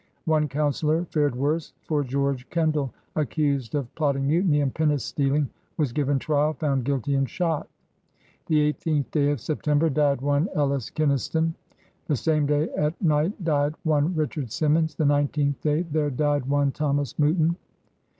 One councilor fared worse, for George Kendall, accused of plot ting mutiny and pinnace stealing, was given trial, found guilty, and shot. "The eighteenth day [of September] died one Ellis Kinistone. ••. The same day at night died one Richard Simmons. The nineteenth day there died one Thomas Mouton.